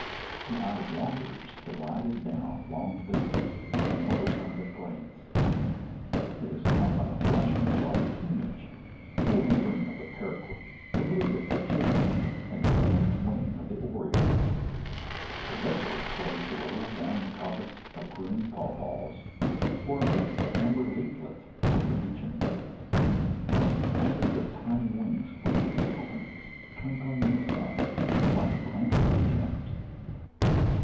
The eye wanders delighted down long vistas and over sunlit glades. It is caught by the flashing of gaudy plumage, the golden green of the paroquet, the blue of the jay, and the orange wing of the oriole. The red bird flutters lower down in the coppice of green pawpaws, or amidst the amber leaflets of the beechen thicket. Hundreds of tiny wings flit through the openings, twinkling in the sun like the glancing of gems.